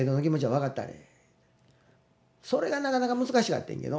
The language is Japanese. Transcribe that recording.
それがなかなか難しかってんけど。